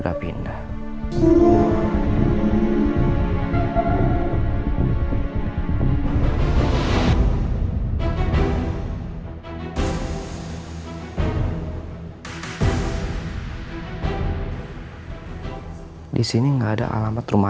dia sih gak salah apa apa